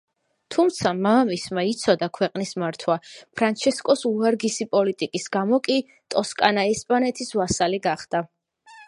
თუმცა მამამისმა იცოდა ქვეყნის მართვა, ფრანჩესკოს უვარგისი პოლიტიკის გამო კი ტოსკანა ესპანეთის ვასალი გახდა.